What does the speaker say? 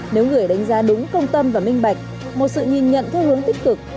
nếu người đánh giá đúng công tâm và minh bạch một sự nhìn nhận theo hướng tích cực